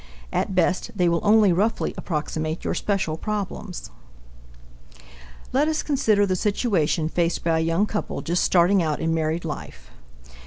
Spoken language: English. At best they will only roughly approximate your special problems. Let us consider the situation faced by a young couple just starting out in married life.